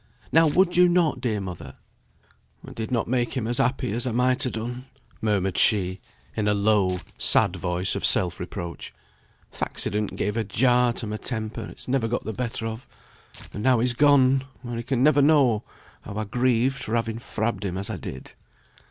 Now, would you not, dear mother?" "I did not make him as happy as I might ha' done," murmured she, in a low, sad voice of self reproach. "Th' accident gave a jar to my temper it's never got the better of; and now he's gone where he can never know how I grieve for having frabbed him as I did."